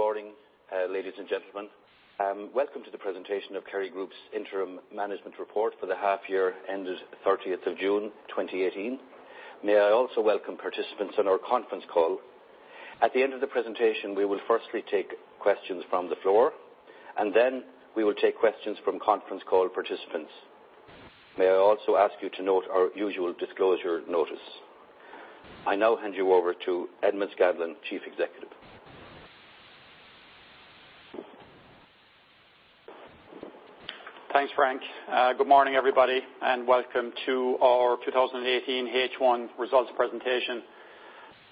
Good morning, ladies and gentlemen. Welcome to the presentation of Kerry Group's interim management report for the half year ended 30th of June 2018. May I also welcome participants on our conference call. At the end of the presentation, we will firstly take questions from the floor, and then we will take questions from conference call participants. May I also ask you to note our usual disclosure notice. I now hand you over to Edmond Scanlon, Chief Executive. Thanks, Frank. Good morning, everybody, and welcome to our 2018 H1 results presentation.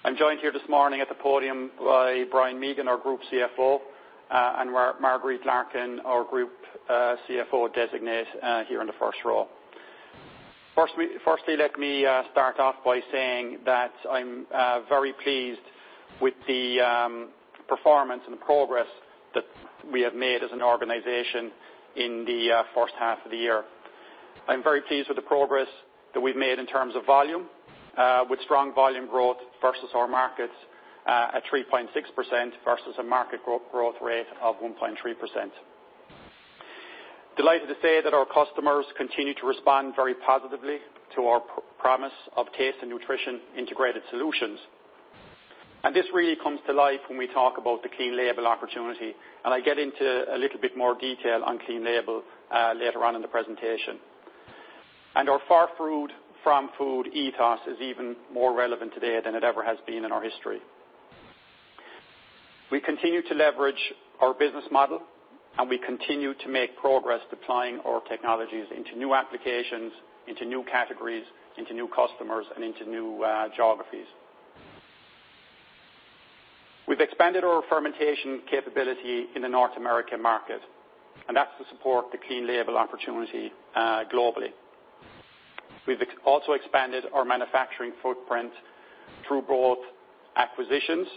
I'm joined here this morning at the podium by Brian Mehigan, our Group CFO, and Marguerite Larkin, our Group CFO Designate here in the first row. Firstly, let me start off by saying that I'm very pleased with the performance and the progress that we have made as an organization in the first half of the year. I'm very pleased with the progress that we've made in terms of volume, with strong volume growth versus our markets at 3.6% versus a market growth rate of 1.3%. Delighted to say that our customers continue to respond very positively to our promise of taste and nutrition integrated solutions. This really comes to life when we talk about the clean label opportunity. I get into a little bit more detail on clean label later on in the presentation. Our Farm to Fork ethos is even more relevant today than it ever has been in our history. We continue to leverage our business model. We continue to make progress deploying our technologies into new applications, into new categories, into new customers, and into new geographies. We've expanded our fermentation capability in the North American market, and that's to support the clean label opportunity globally. We've also expanded our manufacturing footprint through both acquisitions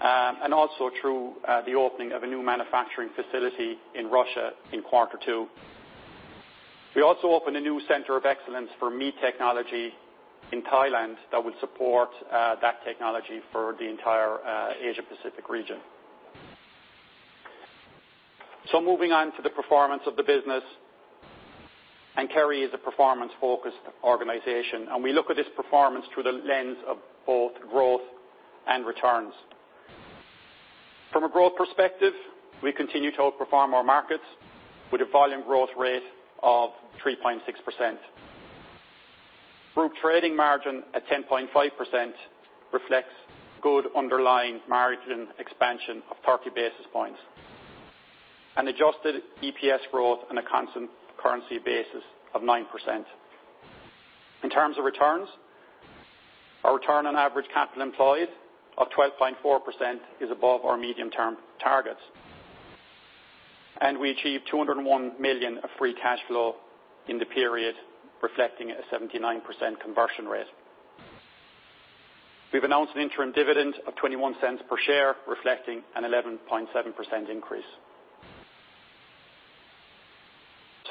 and also through the opening of a new manufacturing facility in Russia in quarter two. We also opened a new center of excellence for meat technology in Thailand that will support that technology for the entire Asia Pacific region. Moving on to the performance of the business, Kerry is a performance-focused organization. We look at this performance through the lens of both growth and returns. From a growth perspective, we continue to outperform our markets with a volume growth rate of 3.6%. Group trading margin at 10.5% reflects good underlying margin expansion of 30 basis points and adjusted EPS growth on a constant currency basis of 9%. In terms of returns, our return on average capital employed of 12.4% is above our medium-term targets. We achieved 201 million of free cash flow in the period, reflecting a 79% conversion rate. We've announced an interim dividend of 0.21 per share, reflecting an 11.7% increase.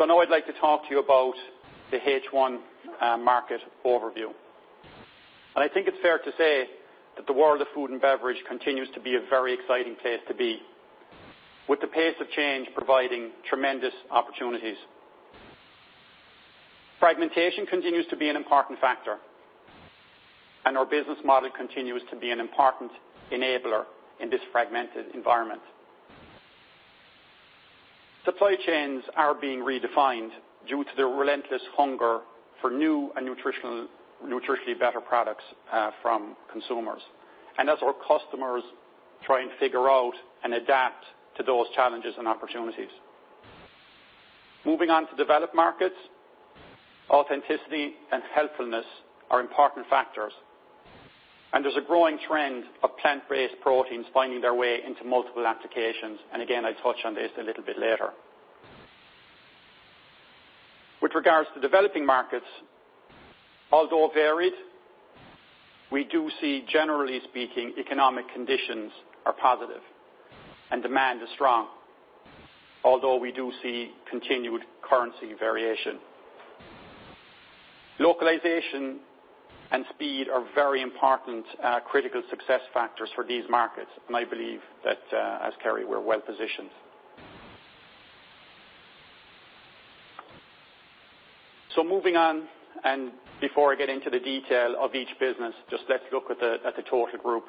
Now I'd like to talk to you about the H1 market overview. I think it's fair to say that the world of food and beverage continues to be a very exciting place to be, with the pace of change providing tremendous opportunities. Fragmentation continues to be an important factor. Our business model continues to be an important enabler in this fragmented environment. Supply chains are being redefined due to the relentless hunger for new and nutritionally better products from consumers, as our customers try and figure out and adapt to those challenges and opportunities. Moving on to developed markets, authenticity and healthfulness are important factors, and there's a growing trend of plant-based proteins finding their way into multiple applications. Again, I touch on this a little bit later. With regards to developing markets, although varied, we do see, generally speaking, economic conditions are positive and demand is strong. Although we do see continued currency variation. Localization and speed are very important critical success factors for these markets, I believe that as Kerry, we're well positioned. Moving on, and before I get into the detail of each business, just let's look at the total group.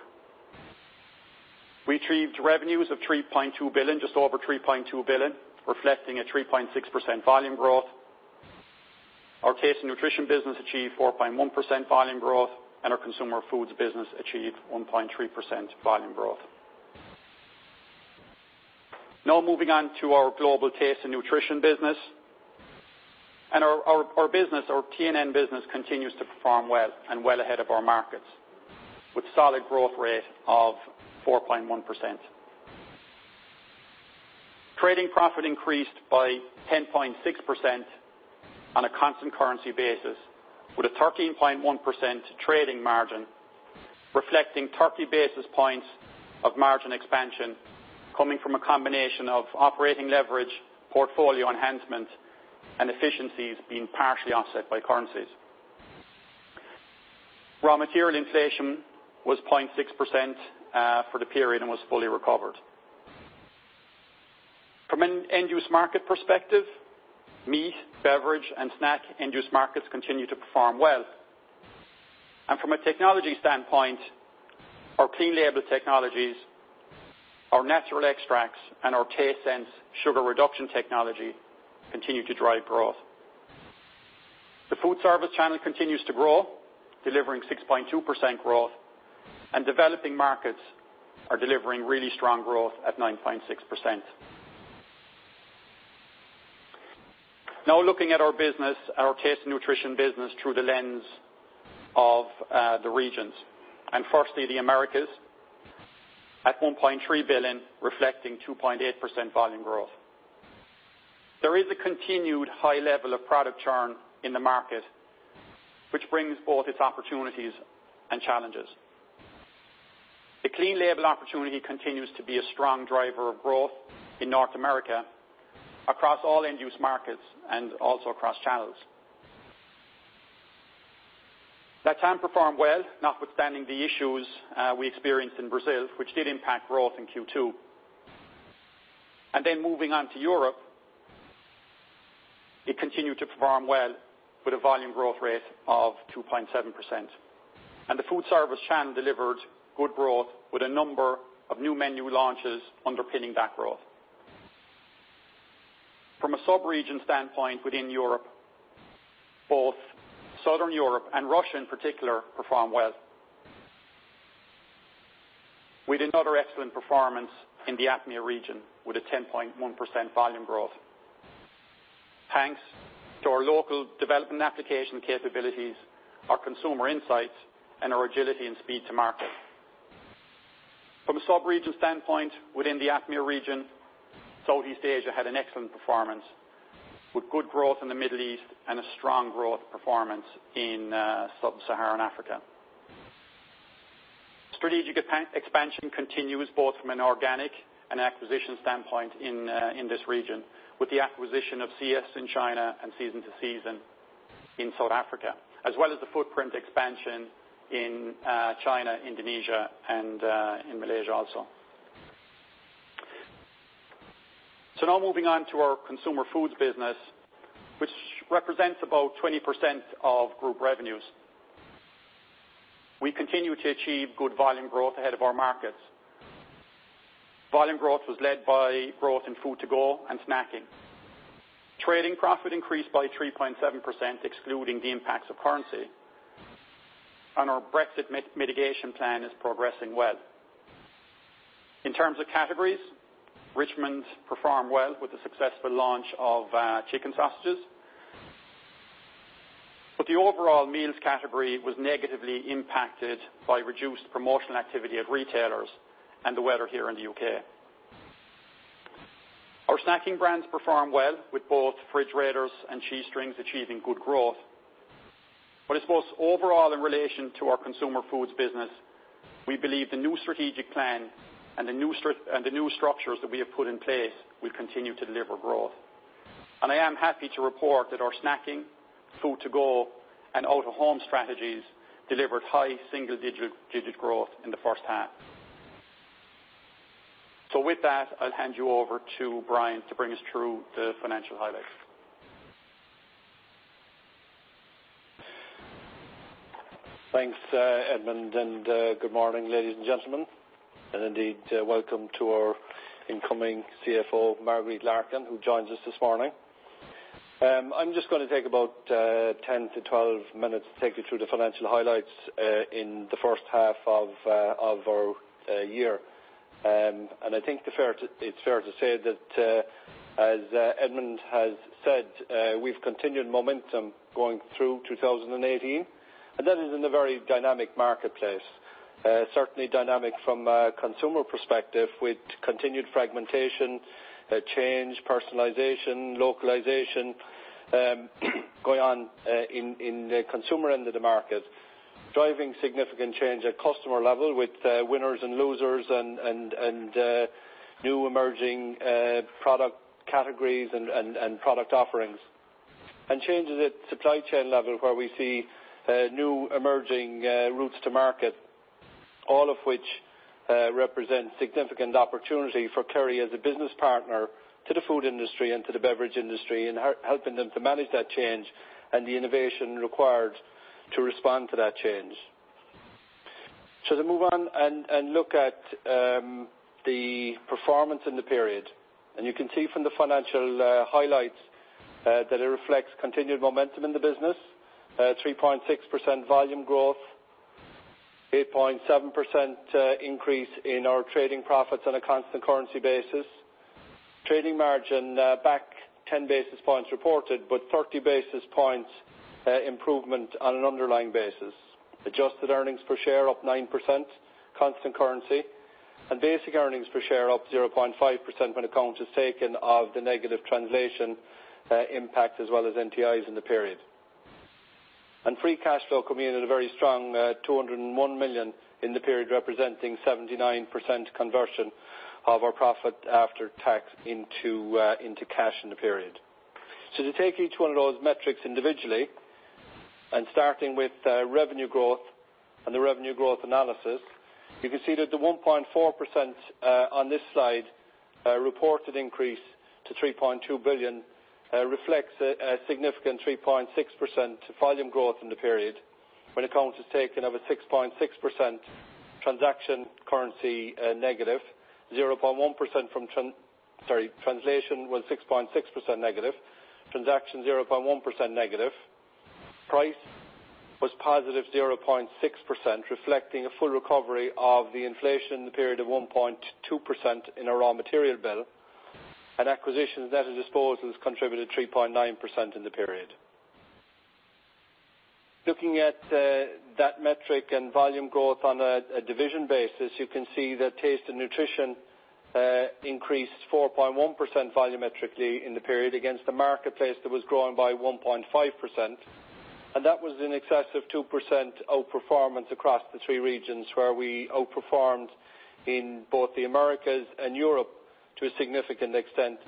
We achieved revenues of 3.2 billion, just over 3.2 billion, reflecting a 3.6% volume growth. Our Taste & Nutrition business achieved 4.1% volume growth, and our Consumer Foods business achieved 1.3% volume growth. Moving on to our global Taste & Nutrition business, our T&N business continues to perform well and well ahead of our markets, with solid growth rate of 4.1%. Trading profit increased by 10.6% on a constant currency basis with a 13.1% trading margin, reflecting 30 basis points of margin expansion coming from a combination of operating leverage, portfolio enhancement, and efficiencies being partially offset by currencies. Raw material inflation was 0.6% for the period and was fully recovered. From an end-use market perspective, meat, beverage, and snack end-use markets continue to perform well. From a technology standpoint, our clean label technologies, our natural extracts, and our taste and sugar reduction technology continue to drive growth. The food service channel continues to grow, delivering 6.2% growth. Developing markets are delivering really strong growth at 9.6%. Looking at our Taste & Nutrition business through the lens of the regions. Firstly, the Americas at 1.3 billion, reflecting 2.8% volume growth. There is a continued high level of product churn in the market, which brings both its opportunities and challenges. The clean label opportunity continues to be a strong driver of growth in North America, across all end-use markets, and also across channels. LATAM performed well, notwithstanding the issues we experienced in Brazil, which did impact growth in Q2. Moving on to Europe, it continued to perform well with a volume growth rate of 2.7%. The food service channel delivered good growth with a number of new menu launches underpinning that growth. From a sub-region standpoint within Europe, both Southern Europe and Russia in particular performed well, with another excellent performance in the APMEA region, with a 10.1% volume growth. Thanks to our local development application capabilities, our consumer insights, and our agility and speed to market. From a sub-region standpoint within the APMEA region, Southeast Asia had an excellent performance with good growth in the Middle East and a strong growth performance in Sub-Saharan Africa. Strategic expansion continues both from an organic and acquisition standpoint in this region with the acquisition of SIAS in China and Season to Season in South Africa, as well as the footprint expansion in China, Indonesia, and in Malaysia also. Moving on to our Consumer Foods business, which represents about 20% of group revenues. We continue to achieve good volume growth ahead of our markets. Volume growth was led by growth in food to go and snacking. Trading profit increased by 3.7%, excluding the impacts of currency. Our Brexit mitigation plan is progressing well. In terms of categories, Richmond performed well with the successful launch of chicken sausages. The overall meals category was negatively impacted by reduced promotional activity at retailers and the weather here in the U.K. Our snacking brands performed well with both Fridge Raiders and Cheestrings achieving good growth. I suppose overall in relation to our Consumer Foods business, we believe the new strategic plan and the new structures that we have put in place will continue to deliver growth. I am happy to report that our snacking, food to go, and out-of-home strategies delivered high single-digit growth in the first half. With that, I'll hand you over to Brian to bring us through the financial highlights. Thanks, Edmond, and good morning, ladies and gentlemen. Indeed, welcome to our incoming CFO, Marguerite Larkin, who joins us this morning. I'm just going to take about 10 to 12 minutes to take you through the financial highlights in the first half of our year. I think it's fair to say that, as Edmond has said, we've continued momentum going through 2018, and that is in a very dynamic marketplace. Certainly dynamic from a consumer perspective with continued fragmentation, change, personalization, localization going on in the consumer end of the market, driving significant change at customer level with winners and losers and new emerging product categories and product offerings. Changes at supply chain level where we see new emerging routes to market, all of which represent significant opportunity for Kerry as a business partner to the food industry and to the beverage industry and helping them to manage that change and the innovation required to respond to that change. To move on and look at the performance in the period. You can see from the financial highlights that it reflects continued momentum in the business. 3.6% volume growth, 8.7% increase in our trading profits on a constant currency basis. Trading margin back 10 basis points reported, but 30 basis points improvement on an underlying basis. Adjusted earnings per share up 9%, constant currency, and basic earnings per share up 0.5% when account is taken of the negative translation impact, as well as NTIs in the period. Free cash flow coming in at a very strong 201 million in the period, representing 79% conversion of our profit after tax into cash in the period. To take each one of those metrics individually, starting with revenue growth and the revenue growth analysis, you can see that the 1.4% on this slide reported increase to 3.2 billion reflects a significant 3.6% volume growth in the period when account is taken of a 6.6% translation currency negative, 0.1% negative. Transaction 0.1% negative. Price was positive 0.6%, reflecting a full recovery of the inflation in the period of 1.2% in our raw material bill, acquisitions net of disposals contributed 3.9% in the period. Looking at that metric and volume growth on a division basis, you can see that Taste & Nutrition increased 4.1% volumetrically in the period against a marketplace that was growing by 1.5%, that was in excess of 2% outperformance across the three regions where we outperformed in both the Americas and Europe to a significant extent,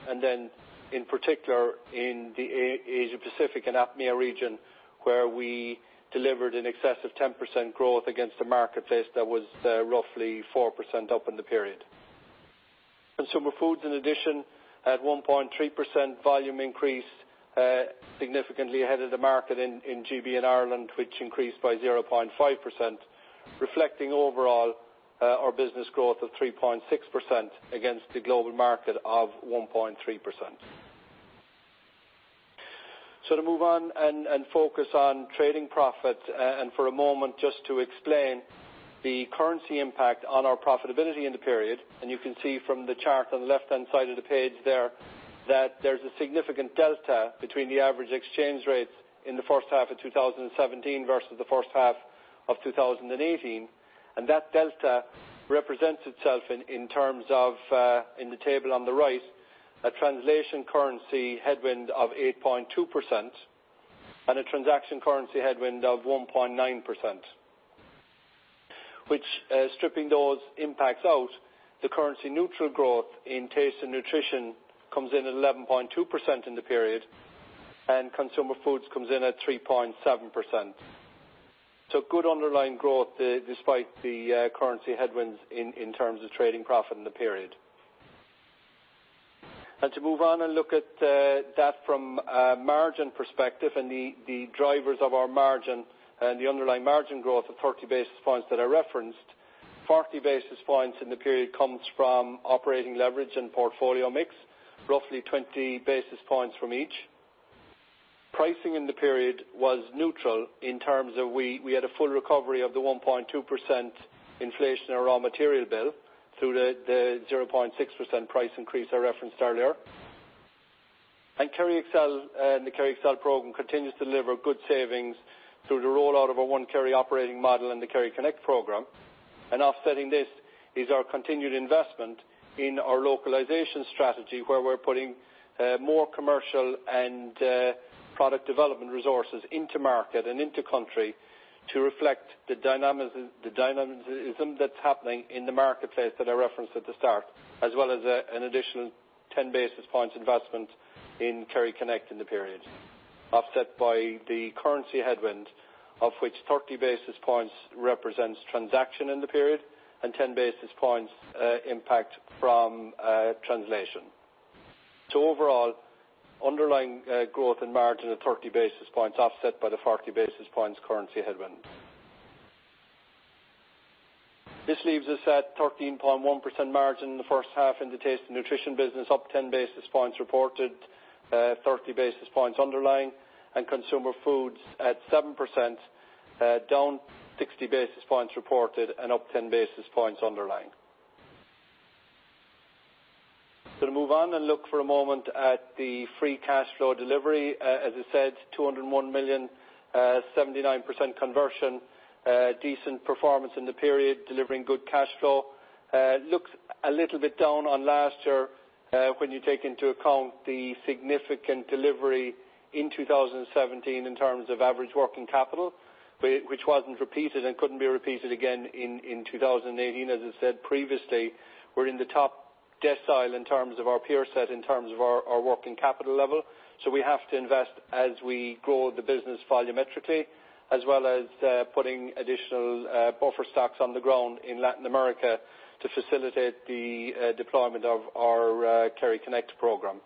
in particular in the Asia-Pacific and APMEA region, where we delivered in excess of 10% growth against a marketplace that was roughly 4% up in the period. Consumer Foods, in addition, had 1.3% volume increase, significantly ahead of the market in GB and Ireland, which increased by 0.5%, reflecting overall our business growth of 3.6% against the global market of 1.3%. To move on and focus on trading profit, for a moment, just to explain the currency impact on our profitability in the period. You can see from the chart on the left-hand side of the page there that there's a significant delta between the average exchange rates in the first half of 2017 versus the first half of 2018. That delta represents itself in terms of, in the table on the right, a translation currency headwind of 8.2% and a transaction currency headwind of 1.9%. Stripping those impacts out, the currency neutral growth in Taste & Nutrition comes in at 11.2% in the period, Consumer Foods comes in at 3.7%. Good underlying growth despite the currency headwinds in terms of trading profit in the period. To move on and look at that from a margin perspective and the drivers of our margin and the underlying margin growth of 30 basis points that I referenced. 40 basis points in the period comes from operating leverage and portfolio mix, roughly 20 basis points from each. Pricing in the period was neutral in terms of we had a full recovery of the 1.2% inflation in raw material bill through the 0.6% price increase I referenced earlier. The Kerry Excel program continues to deliver good savings through the rollout of our KerryOne operating model and the Kerryconnect program. Offsetting this is our continued investment in our localization strategy, where we're putting more commercial and product development resources into market and into country to reflect the dynamism that's happening in the marketplace that I referenced at the start, as well as an additional 10 basis points investment in Kerryconnect in the period, offset by the currency headwind, of which 30 basis points represents transaction in the period and 10 basis points impact from translation. Overall, underlying growth in margin of 30 basis points offset by the 40 basis points currency headwind. This leaves us at 13.1% margin in the first half in the Taste & Nutrition business, up 10 basis points reported, 30 basis points underlying, and Consumer Foods at 7%, down 60 basis points reported and up 10 basis points underlying. To move on and look for a moment at the free cash flow delivery. As I said, 201 million, 79% conversion, decent performance in the period, delivering good cash flow. Looks a little bit down on last year when you take into account the significant delivery in 2017 in terms of average working capital, which wasn't repeated and couldn't be repeated again in 2018. As I said previously, we're in the top decile in terms of our peer set, in terms of our working capital level. We have to invest as we grow the business volumetrically, as well as putting additional buffer stocks on the ground in Latin America to facilitate the deployment of our Kerryconnect program.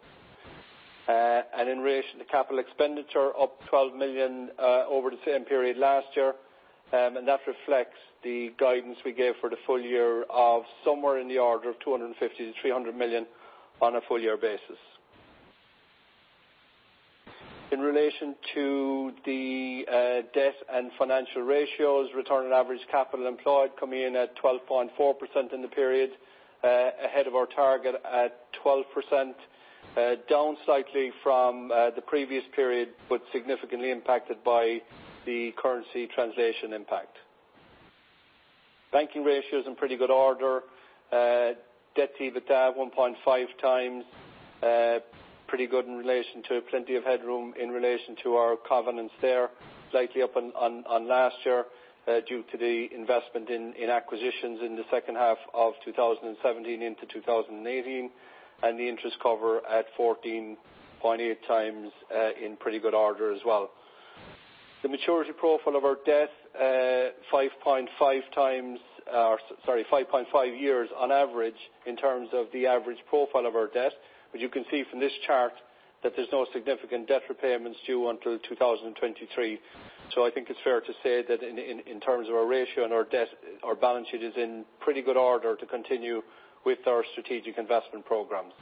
And in relation to capital expenditure, up 12 million over the same period last year. And that reflects the guidance we gave for the full year of somewhere in the order of 250 million-300 million on a full year basis. In relation to the debt and financial ratios, return on average capital employed coming in at 12.4% in the period, ahead of our target at 12%, down slightly from the previous period, but significantly impacted by the currency translation impact. Banking ratios in pretty good order. Debt to EBITDA 1.5 times. Pretty good in relation to plenty of headroom in relation to our covenants there. Slightly up on last year due to the investment in acquisitions in the second half of 2017 into 2018, and the interest cover at 14.8 times, in pretty good order as well. The maturity profile of our debt, 5.5 years on average in terms of the average profile of our debt. But you can see from this chart that there's no significant debt repayments due until 2023. I think it's fair to say that in terms of our ratio and our debt, our balance sheet is in pretty good order to continue with our strategic investment programs.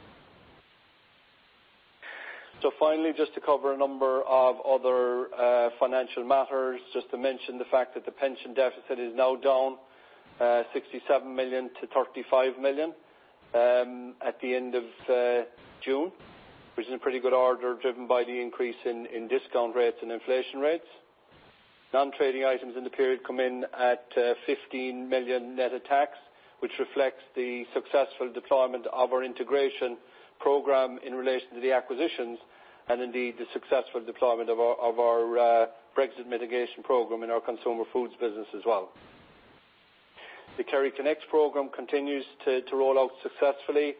Finally, just to cover a number of other financial matters, just to mention the fact that the pension deficit is now down 67 million to 35 million at the end of June, which is in pretty good order, driven by the increase in discount rates and inflation rates. Non-Trading Items in the period come in at 15 million net of tax, which reflects the successful deployment of our integration program in relation to the acquisitions, and indeed the successful deployment of our Brexit mitigation program in our Consumer Foods business as well. The Kerryconnect program continues to roll out successfully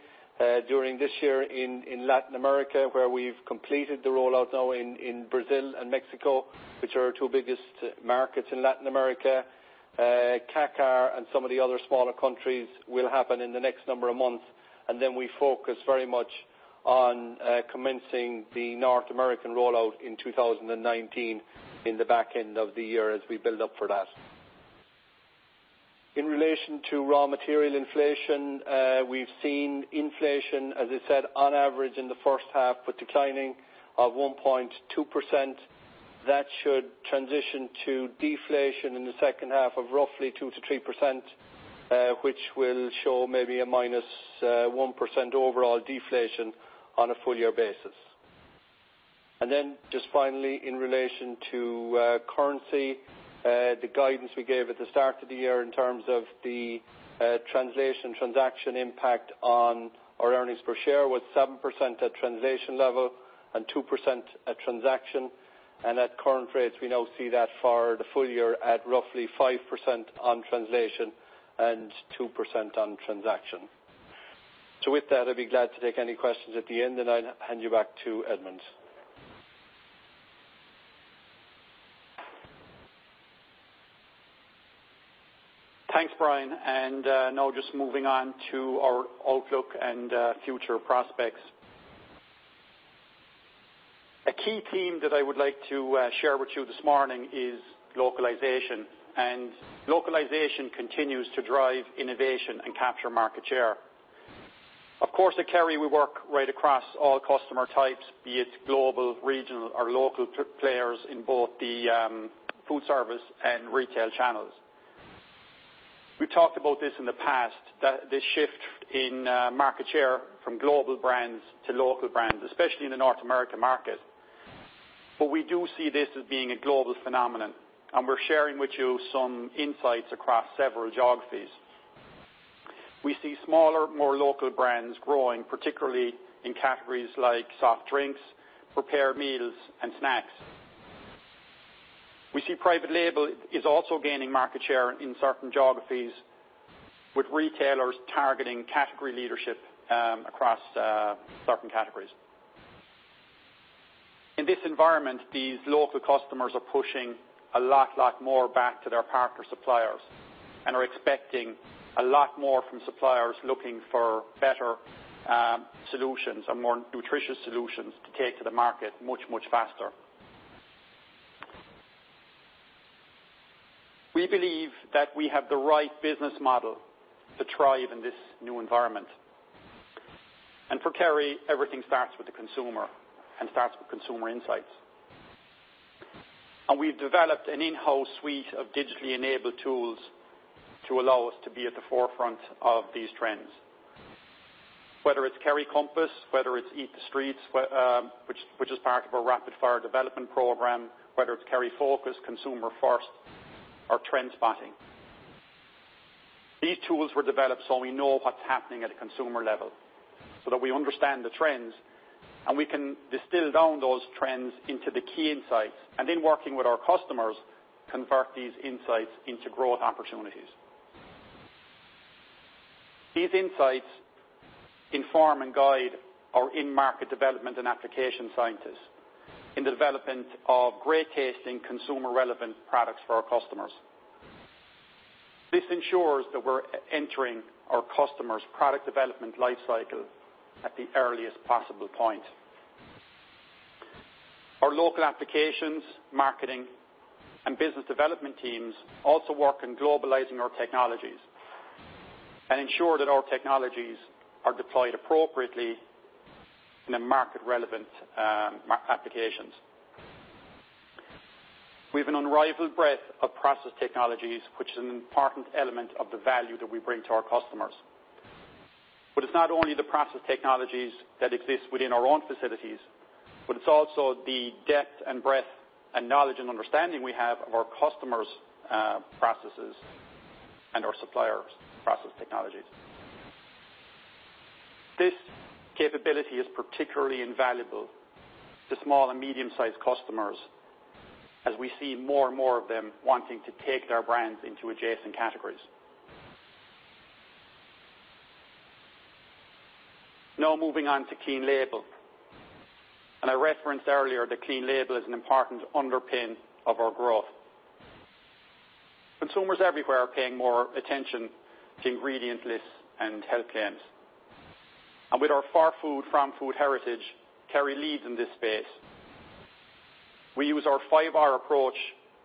during this year in Latin America, where we've completed the rollout now in Brazil and Mexico, which are our two biggest markets in Latin America. CACAR and some of the other smaller countries will happen in the next number of months, and then we focus very much on commencing the North American rollout in 2019 in the back end of the year as we build up for that. In relation to raw material inflation, we've seen inflation, as I said, on average in the first half, but declining of 1.2%. That should transition to deflation in the second half of roughly 2%-3%, which will show maybe a minus 1% overall deflation on a full year basis. Just finally, in relation to currency, the guidance we gave at the start of the year in terms of the translation transaction impact on our earnings per share was 7% at translation level and 2% at transaction. At current rates, we now see that for the full year at roughly 5% on translation and 2% on transaction. With that, I'd be glad to take any questions at the end, and I'll hand you back to Edmond. Thanks, Brian. Now just moving on to our outlook and future prospects. A key theme that I would like to share with you this morning is localization. Localization continues to drive innovation and capture market share. Of course, at Kerry, we work right across all customer types, be it global, regional, or local players in both the food service and retail channels. We've talked about this in the past, the shift in market share from global brands to local brands, especially in the North American market. We do see this as being a global phenomenon, and we're sharing with you some insights across several geographies. We see smaller, more local brands growing, particularly in categories like soft drinks, prepared meals, and snacks. We see private label is also gaining market share in certain geographies, with retailers targeting category leadership across certain categories. In this environment, these local customers are pushing a lot more back to their partner suppliers and are expecting a lot more from suppliers looking for better solutions and more nutritious solutions to take to the market much faster. We believe that we have the right business model to thrive in this new environment. For Kerry, everything starts with the consumer and starts with consumer insights. We've developed an in-house suite of digitally enabled tools to allow us to be at the forefront of these trends. Whether it's Kerry Compass, whether it's Eat the Streets, which is part of our rapid fire development program, whether it's Kerryfocus, Consumer First, or Trend Spotting. These tools were developed so we know what's happening at a consumer level, so that we understand the trends, we can distill down those trends into the key insights, in working with our customers, convert these insights into growth opportunities. These insights inform and guide our in-market development and application scientists in the development of great tasting, consumer relevant products for our customers. This ensures that we're entering our customers' product development life cycle at the earliest possible point. Our local applications, marketing, and business development teams also work in globalizing our technologies and ensure that our technologies are deployed appropriately in a market relevant applications. We have an unrivaled breadth of process technologies, which is an important element of the value that we bring to our customers. It's not only the process technologies that exist within our own facilities, it's also the depth and breadth and knowledge and understanding we have of our customers' processes and our suppliers' process technologies. This capability is particularly invaluable to small and medium-sized customers as we see more and more of them wanting to take their brands into adjacent categories. Moving on to clean label. I referenced earlier that clean label is an important underpin of our growth. Consumers everywhere are paying more attention to ingredient lists and health claims. With our farm food heritage, Kerry leads in this space. We use our 5R approach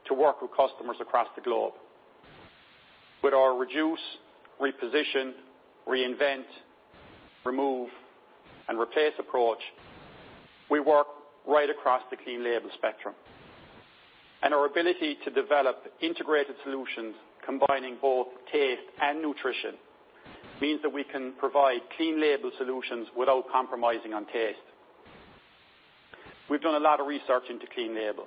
to work with customers across the globe. With our reduce, reposition, reinvent, remove, and replace approach, we work right across the clean label spectrum. Our ability to develop integrated solutions combining both taste and nutrition means that we can provide clean label solutions without compromising on taste. We've done a lot of research into clean label,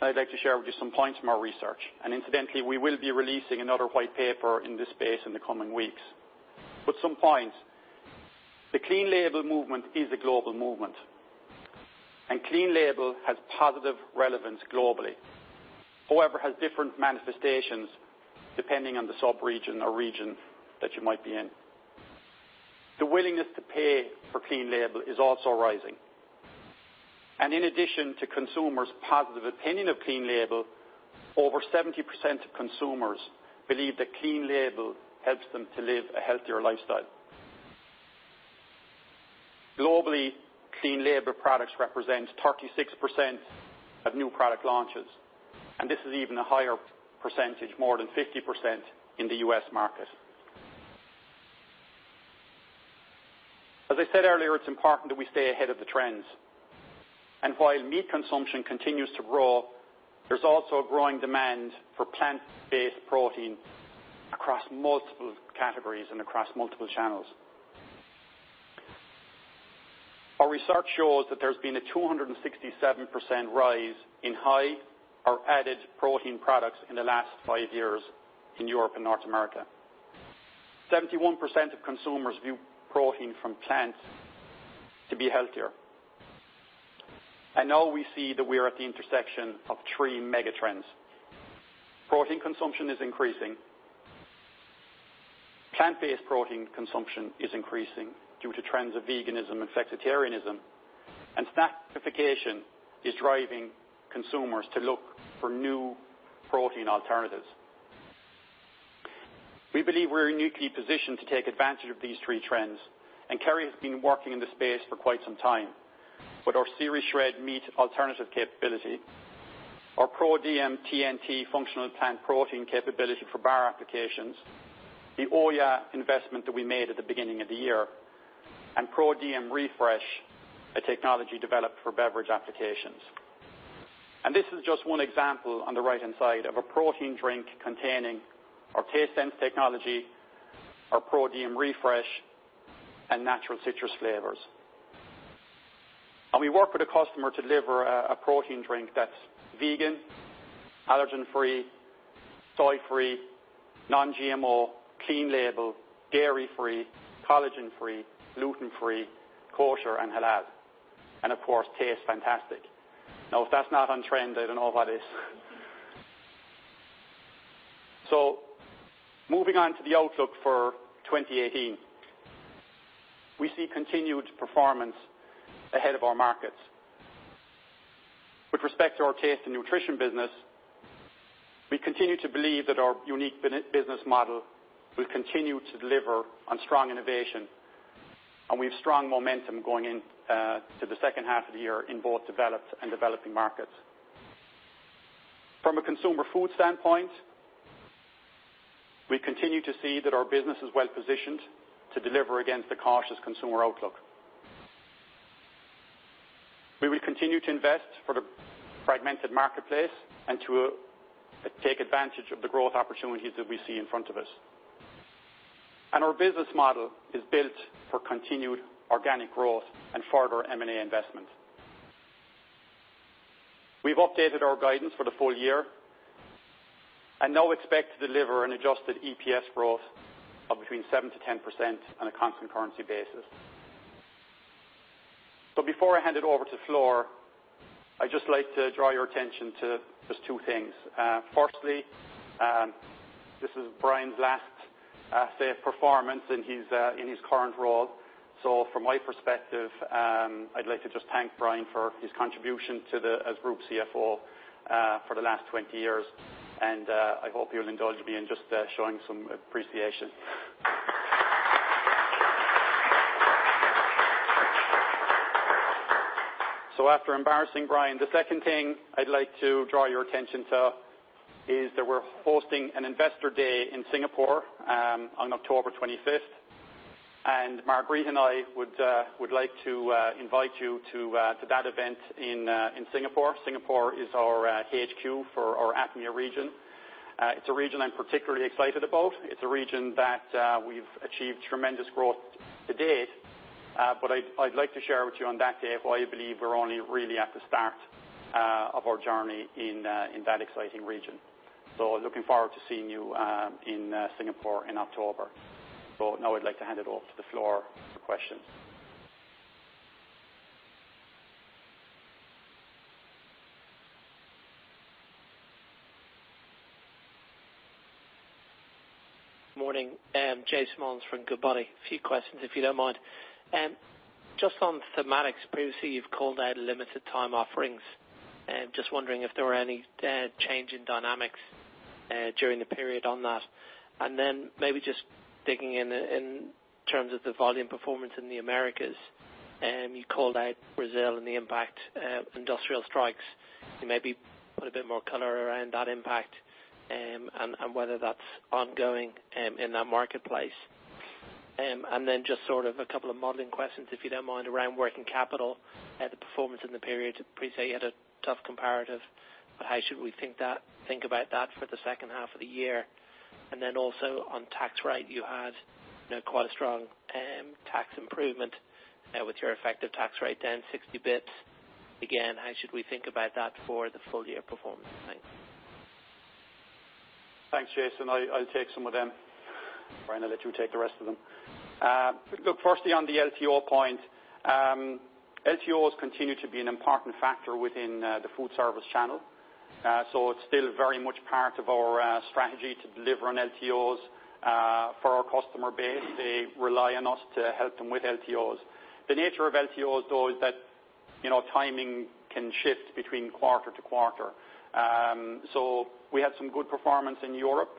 and I'd like to share with you some points from our research. Incidentally, we will be releasing another white paper in this space in the coming weeks. Some points, the clean label movement is a global movement, and clean label has positive relevance globally. However, has different manifestations depending on the sub-region or region that you might be in. The willingness to pay for clean label is also rising. In addition to consumers' positive opinion of clean label, over 70% of consumers believe that clean label helps them to live a healthier lifestyle. Globally, clean label products represent 36% of new product launches, and this is even a higher percentage, more than 50%, in the U.S. market. As I said earlier, it's important that we stay ahead of the trends. While meat consumption continues to grow, there's also a growing demand for plant-based protein across multiple categories and across multiple channels. Our research shows that there's been a 267% rise in high or added protein products in the last five years in Europe and North America. 71% of consumers view protein from plants to be healthier. Now we see that we're at the intersection of three mega trends. Protein consumption is increasing, plant-based protein consumption is increasing due to trends of veganism and flexitarianism, and snackification is driving consumers to look for new protein alternatives. We believe we're uniquely positioned to take advantage of these three trends, Kerry has been working in the space for quite some time. With our series shred meat alternative capability, our ProDiem TNT functional plant protein capability for bar applications, the Ojah investment that we made at the beginning of the year, and ProDiem Refresh, a technology developed for beverage applications. This is just one example on the right-hand side of a protein drink containing our TasteSense technology, our ProDiem Refresh, and natural citrus flavors. We work with a customer to deliver a protein drink that's vegan, allergen-free, soy-free, non-GMO, clean label, dairy-free, collagen-free, gluten-free, kosher, and halal, and of course, tastes fantastic. If that's not on trend, I don't know what is. Moving on to the outlook for 2018. We see continued performance ahead of our markets. With respect to our Taste & Nutrition business, we continue to believe that our unique business model will continue to deliver on strong innovation, and we have strong momentum going into the second half of the year in both developed and developing markets. From a Consumer Foods standpoint, we continue to see that our business is well-positioned to deliver against the cautious consumer outlook. We will continue to invest for the fragmented marketplace and to take advantage of the growth opportunities that we see in front of us. Our business model is built for continued organic growth and further M&A investment. We've updated our guidance for the full year and now expect to deliver an adjusted EPS growth of between 7% to 10% on a constant currency basis. Before I hand over the floor, I'd just like to draw your attention to just two things. Firstly, this is Brian's last set of performance in his current role. From my perspective, I'd like to just thank Brian for his contribution as Group CFO for the last 20 years, and I hope you'll indulge me in just showing some appreciation. After embarrassing Brian, the second thing I'd like to draw your attention to is that we're hosting an investor day in Singapore on October 25th, and Marguerite and I would like to invite you to that event in Singapore. Singapore is our HQ for our APMEA region. It's a region I'm particularly excited about. It's a region that we've achieved tremendous growth to date. But I'd like to share with you on that day why I believe we're only really at the start of our journey in that exciting region. Looking forward to seeing you in Singapore in October. Now I'd like to hand it over to Flor for questions Morning. Jason Molins from Goodbody. A few questions, if you don't mind. Just on thematics, previously you've called out limited time offerings. Just wondering if there were any change in dynamics during the period on that. Maybe just digging in in terms of the volume performance in the Americas, you called out Brazil and the impact industrial strikes. Can you maybe put a bit more color around that impact and whether that's ongoing in that marketplace? Just sort of a couple of modeling questions, if you don't mind, around working capital, the performance in the period to pre-say you had a tough comparative, but how should we think about that for the second half of the year? Also on tax rate, you had quite a strong tax improvement with your effective tax rate down 60 basis points. Again, how should we think about that for the full-year performance? Thanks. Thanks, Jason. I'll take some of them. Brian, I'll let you take the rest of them. Look, firstly, on the LTO point, LTOs continue to be an important factor within the foodservice channel. It's still very much part of our strategy to deliver on LTOs for our customer base. They rely on us to help them with LTOs. The nature of LTOs, though, is that timing can shift between quarter to quarter. We had some good performance in Europe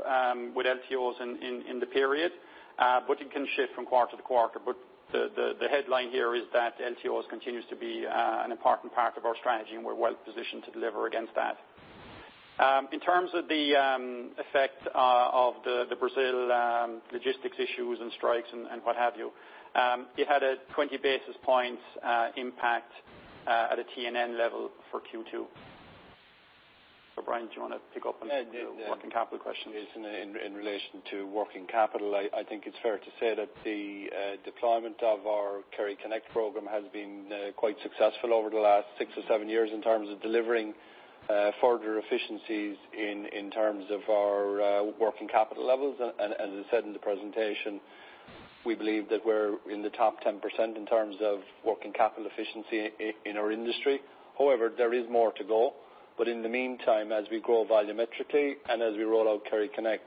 with LTOs in the period, but it can shift from quarter to quarter. The headline here is that LTOs continues to be an important part of our strategy, and we're well positioned to deliver against that. In terms of the effect of the Brazil logistics issues and strikes and what have you, it had a 20 basis points impact at a T&N level for Q2. Brian, do you want to pick up on the working capital question? Yeah. In relation to working capital, I think it's fair to say that the deployment of our Kerryconnect program has been quite successful over the last six or seven years in terms of delivering further efficiencies in terms of our working capital levels. As I said in the presentation, we believe that we're in the top 10% in terms of working capital efficiency in our industry. However, there is more to go. In the meantime, as we grow volumetrically and as we roll out Kerryconnect,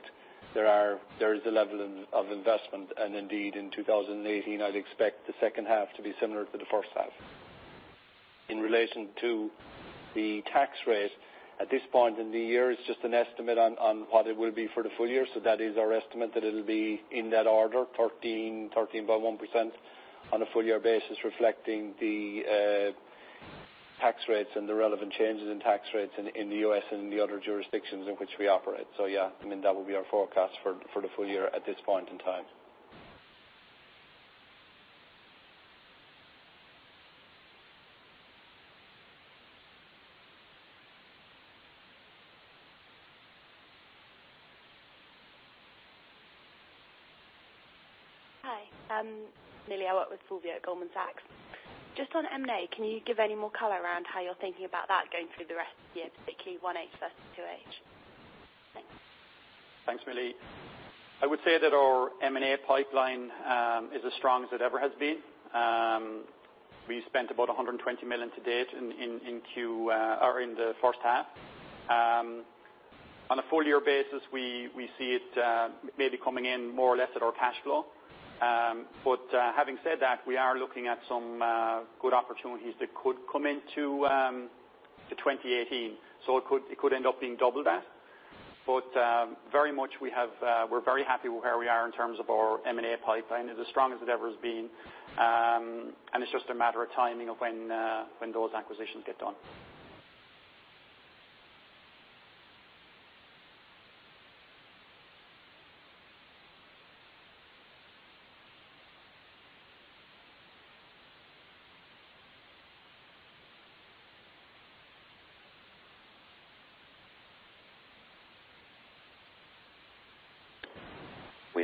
there is a level of investment. Indeed, in 2018, I'd expect the second half to be similar to the first half. In relation to the tax rate, at this point in the year, it's just an estimate on what it will be for the full year. That is our estimate that it'll be in that order, 13.1% on a full-year basis, reflecting the tax rates and the relevant changes in tax rates in the U.S. and the other jurisdictions in which we operate. Yeah, that would be our forecast for the full year at this point in time. Hi. Milly, I work with Fulvio at Goldman Sachs. Just on M&A, can you give any more color around how you're thinking about that going through the rest of the year, particularly 1H versus 2H? Thanks. Thanks, Milly. I would say that our M&A pipeline is as strong as it ever has been. We've spent about 120 million to date in the first half. On a full year basis, we see it maybe coming in more or less at our cash flow. Having said that, we are looking at some good opportunities that could come into 2018. It could end up being double that. We're very happy with where we are in terms of our M&A pipeline. It's as strong as it ever has been. It's just a matter of timing of when those acquisitions get done.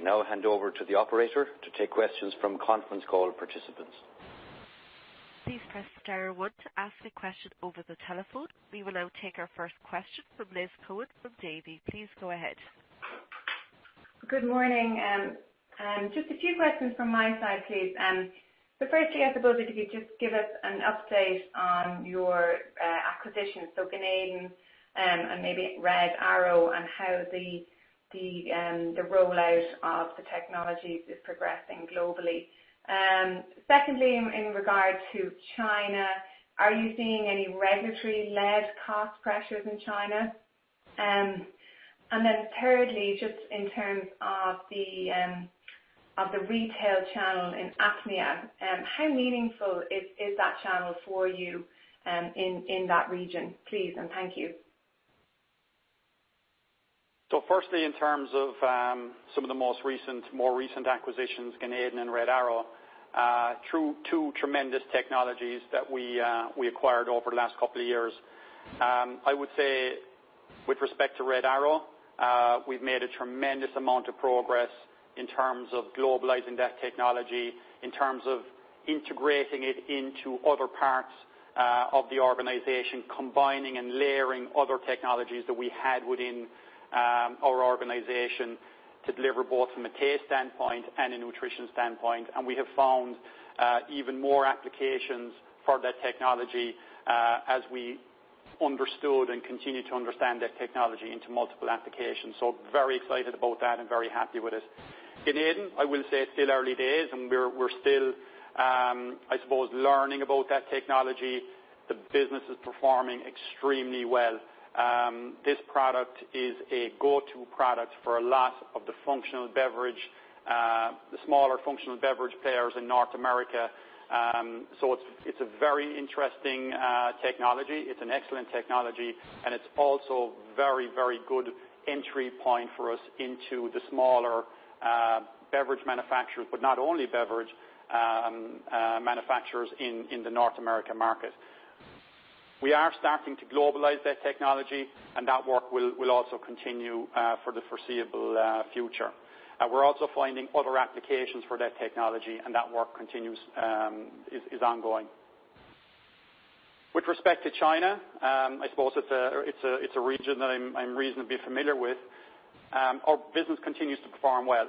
We now hand over to the operator to take questions from conference call participants. Please press star one to ask a question over the telephone. We will now take our first question from Liz Coen from Davy. Please go ahead. Good morning. Just a few questions from my side, please. Firstly, I suppose if you could just give us an update on your acquisition, Ganeden and maybe Red Arrow and how the rollout of the technologies is progressing globally. Secondly, in regard to China, are you seeing any regulatory-led cost pressures in China? Thirdly, just in terms of the retail channel in APMEA, how meaningful is that channel for you in that region, please, and thank you. Firstly, in terms of some of the more recent acquisitions, Ganeden and Red Arrow, two tremendous technologies that we acquired over the last couple of years. I would say with respect to Red Arrow, we've made a tremendous amount of progress in terms of globalizing that technology, in terms of integrating it into other parts of the organization, combining and layering other technologies that we had within our organization To deliver both from a taste standpoint and a nutrition standpoint. We have found even more applications for that technology as we understood and continue to understand that technology into multiple applications. Very excited about that and very happy with it. Ganeden, I will say it's still early days, and we're still, I suppose, learning about that technology. The business is performing extremely well. This product is a go-to product for a lot of the functional beverage, the smaller functional beverage players in North America. It's a very interesting technology. It's an excellent technology, and it's also very good entry point for us into the smaller beverage manufacturers, but not only beverage manufacturers in the North America market. We are starting to globalize that technology, and that work will also continue for the foreseeable future. That work continues, is ongoing. With respect to China, I suppose it's a region that I'm reasonably familiar with. Our business continues to perform well.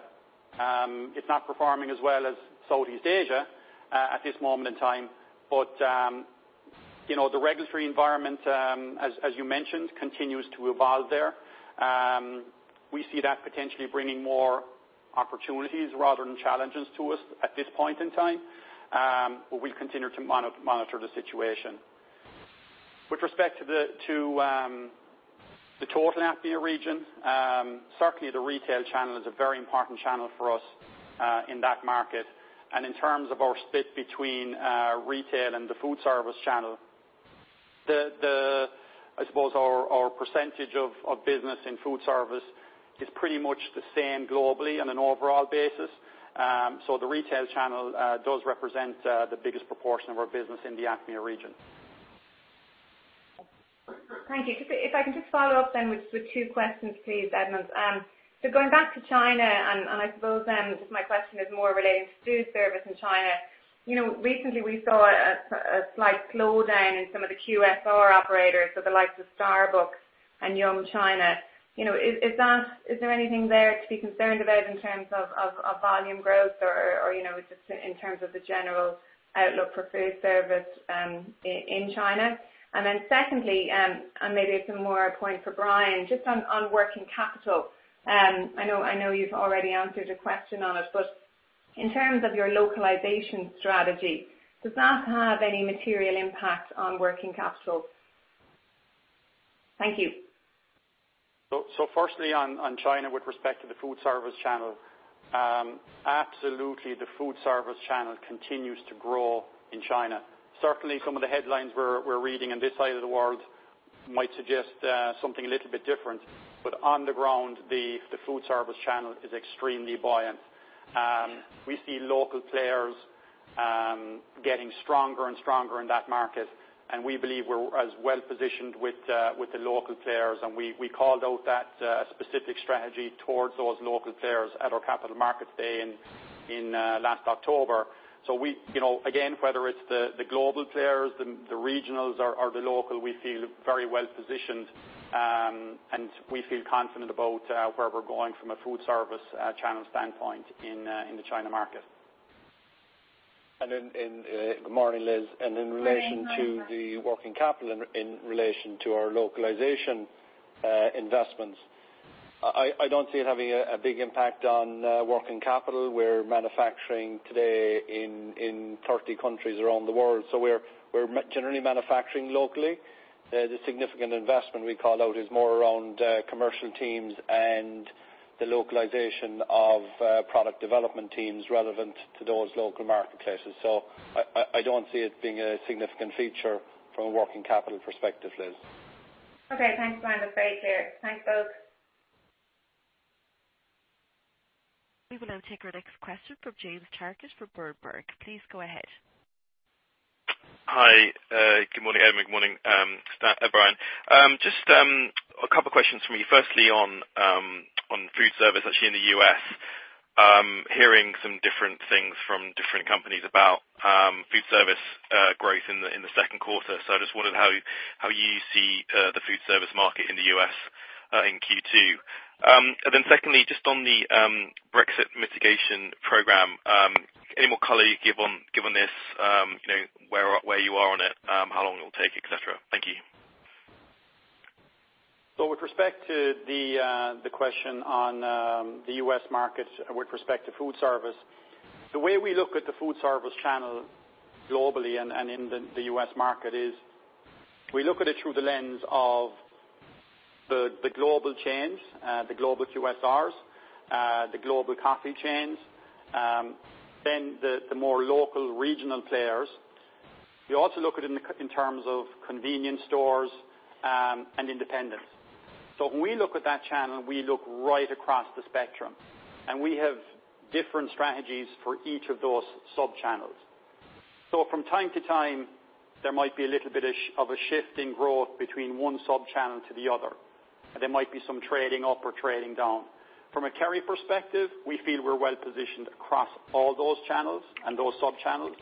It's not performing as well as Southeast Asia at this moment in time, but the regulatory environment, as you mentioned, continues to evolve there. We see that potentially bringing more opportunities rather than challenges to us at this point in time, but we'll continue to monitor the situation. With respect to the total APMEA region, certainly the retail channel is a very important channel for us, in that market. In terms of our split between retail and the food service channel, I suppose our percentage of business in food service is pretty much the same globally on an overall basis. The retail channel does represent the biggest proportion of our business in the APMEA region. Thank you. If I can just follow up then with two questions please, Edmond. Going back to China and I suppose then, just my question is more relating to food service in China. Recently we saw a slight slowdown in some of the QSR operators, so the likes of Starbucks and Yum China. Is there anything there to be concerned about in terms of volume growth or just in terms of the general outlook for food service in China? Then secondly, and maybe it's more a point for Brian, just on working capital. I know you've already answered a question on it, but in terms of your localization strategy, does that have any material impact on working capital? Thank you. Firstly on China, with respect to the food service channel, absolutely the food service channel continues to grow in China. Certainly some of the headlines we're reading on this side of the world might suggest something a little bit different, but on the ground, the food service channel is extremely buoyant. We see local players getting stronger and stronger in that market, we believe we're as well-positioned with the local players, we called out that specific strategy towards those local players at our capital markets day in last October. Again, whether it's the global players, the regionals or the local, we feel very well positioned, and we feel confident about where we're going from a food service channel standpoint in the China market. Then, good morning, Liz. Good morning. In relation to the working capital in relation to our localization investments, I don't see it having a big impact on working capital. We're manufacturing today in 30 countries around the world. We're generally manufacturing locally. The significant investment we called out is more around commercial teams and the localization of product development teams relevant to those local marketplaces. I don't see it being a significant feature from a working capital perspective, Liz. Okay. Thanks, Brian. That's very clear. Thanks, both. We will now take our next question from James Targett for Berenberg. Please go ahead. Hi, good morning, Edmond. Good morning, Brian. Just a couple of questions from me. Firstly, on food service actually in the U.S. Hearing some different things from different companies about food service growth in the second quarter. I just wondered how you see the food service market in the U.S. in Q2. Secondly, just on the Brexit mitigation program, any more color you can give on this, where you are on it, how long it will take, et cetera. Thank you. With respect to the question on the U.S. market with respect to food service, the way we look at the food service channel globally and in the U.S. market is we look at it through the lens of the global chains, the global QSRs, the global coffee chains, then the more local regional players. We also look at it in terms of convenience stores and independents. When we look at that channel, we look right across the spectrum, and we have different strategies for each of those sub-channels. From time to time, there might be a little bit of a shift in growth between one sub-channel to the other, and there might be some trading up or trading down. From a Kerry perspective, we feel we're well positioned across all those channels and those sub-channels.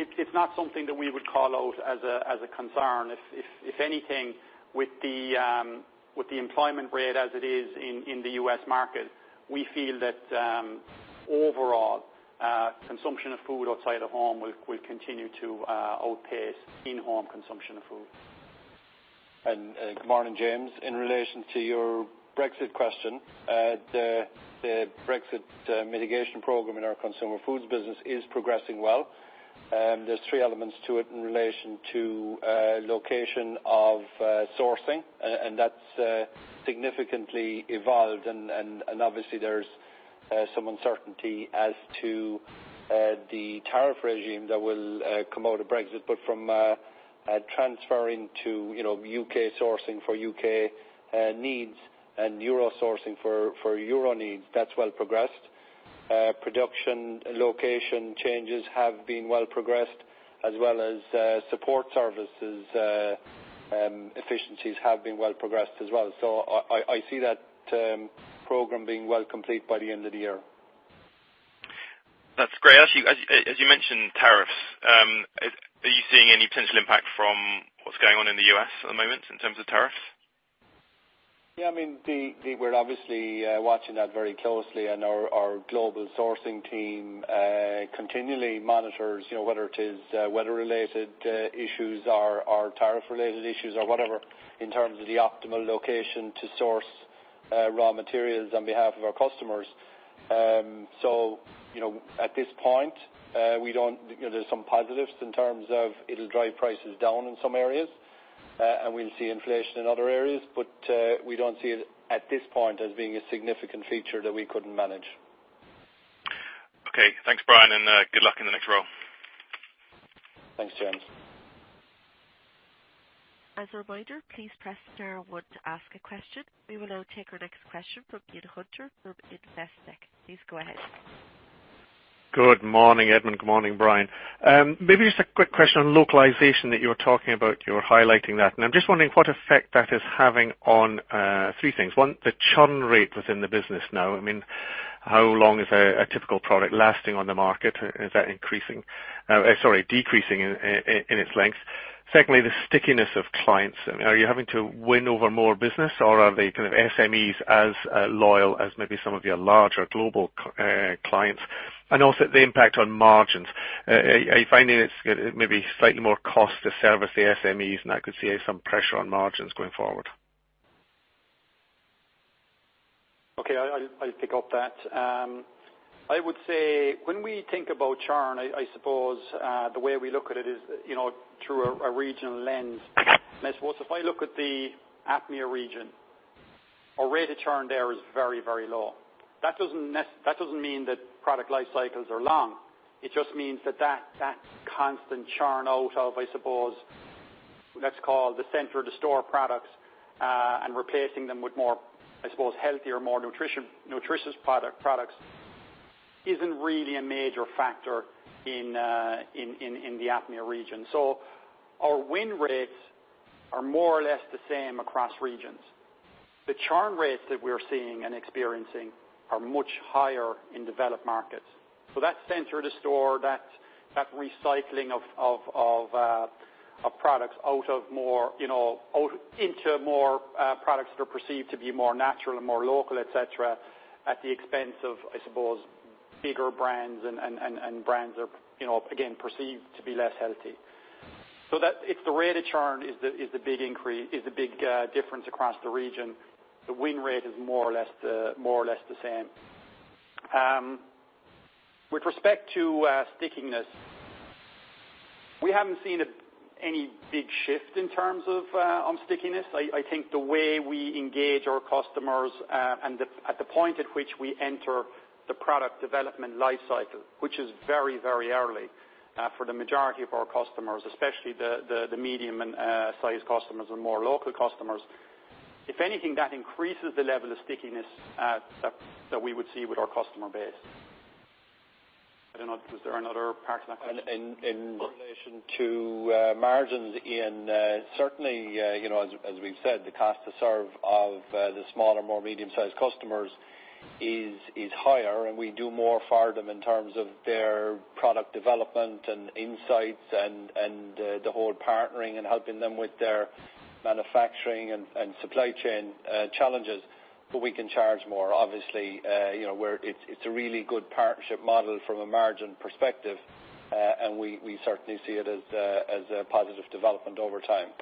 It's not something that we would call out as a concern. If anything, with the employment rate as it is in the U.S. market, we feel that overall consumption of food outside the home will continue to outpace in-home consumption of food. Good morning, James. In relation to your Brexit question, the Brexit mitigation program in our Consumer Foods business is progressing well. There's three elements to it in relation to location of sourcing, and that's significantly evolved. Obviously there's some uncertainty as to the tariff regime that will come out of Brexit. From transferring to U.K. sourcing for U.K. needs and EUR sourcing for EUR needs, that's well progressed. Production location changes have been well progressed as well as support services efficiencies have been well progressed as well. I see that program being well complete by the end of the year. That's great. As you mentioned tariffs, are you seeing any potential impact from what's going on in the U.S. at the moment in terms of tariffs? Yeah. We're obviously watching that very closely. Our global sourcing team continually monitors whether it is weather related issues or tariff related issues or whatever, in terms of the optimal location to source raw materials on behalf of our customers. At this point, there's some positives in terms of it'll drive prices down in some areas, and we'll see inflation in other areas. We don't see it, at this point, as being a significant feature that we couldn't manage. Okay. Thanks, Brian. Good luck in the next role. Thanks, James. As a reminder, please press star one to ask a question. We will now take our next question from Ian Hunter from Investec. Please go ahead. Good morning, Edmond. Good morning, Brian. Maybe just a quick question on localization that you were talking about, you were highlighting that. I'm just wondering what effect that is having on three things. One, the churn rate within the business now. How long is a typical product lasting on the market? Is that decreasing in its length? Secondly, the stickiness of clients. Are you having to win over more business or are the kind of SMEs as loyal as maybe some of your larger global clients? Also the impact on margins. Are you finding it's maybe slightly more cost to service the SMEs and that could see some pressure on margins going forward? Okay. I'll pick up that. I would say when we think about churn, I suppose the way we look at it is through a regional lens. I suppose if I look at the APMEA region, our rate of churn there is very low. That doesn't mean that product life cycles are long. It just means that that constant churn out of, I suppose, let's call the center of the store products, and replacing them with more, I suppose, healthier, more nutritious products isn't really a major factor in the APMEA region. Our win rates are more or less the same across regions. The churn rates that we're seeing and experiencing are much higher in developed markets. That center of the store, that recycling of products into more products that are perceived to be more natural and more local, et cetera, at the expense of, I suppose, bigger brands and brands are, again, perceived to be less healthy. The rate of churn is the big difference across the region. The win rate is more or less the same. With respect to stickiness, we haven't seen any big shift in terms of stickiness. I think the way we engage our customers, and at the point at which we enter the product development life cycle, which is very early for the majority of our customers, especially the medium and sized customers and more local customers. I don't know, was there another part to that question? In relation to margins, Ian, certainly, as we've said, the cost to serve of the smaller, more medium-sized customers is higher, and we do more for them in terms of their product development and insights and the whole partnering and helping them with their manufacturing and supply chain challenges. We can charge more. Obviously, it's a really good partnership model from a margin perspective. We certainly see it as a positive development over time.